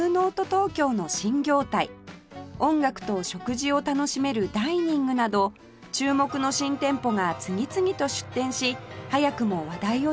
東京の新業態音楽と食事を楽しめるダイニングなど注目の新店舗が次々と出店し早くも話題を呼んでいます